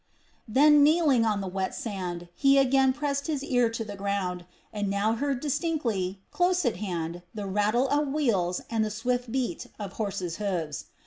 Then, kneeling on the wet sand, he again pressed his ear to the ground, and now heard distinctly, close at hand, the rattle of wheels and the swift beat of horses' hoofs.